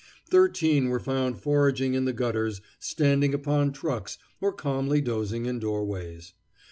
Thirteen were found foraging in the gutters, standing upon trucks, or calmly dozing in doorways.